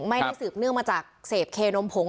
ไม่ได้สืบเนื่องมาจากเสพเคนมผง